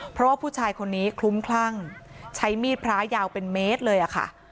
เพราะว่าผู้ชายคนนี้คลุ้มคลั่งใช้มีดพระยาวเป็นเมตรเลยค่ะ